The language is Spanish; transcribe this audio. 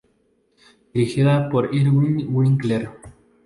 Dirigida por Irwin Winkler.